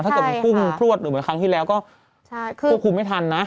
ถ้าเกิดมันพุ่งพลวดหรือเหมือนครั้งที่แล้วก็ควบคุมไม่ทันนะ